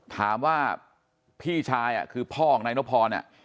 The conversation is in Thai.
ถามว่าพี่ชายอาคือพ่อของนายนพรเนี่ย